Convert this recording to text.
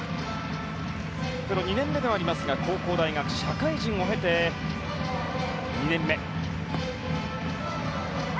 プロ２年目ではありますが高校、大学社会人を経て２年目。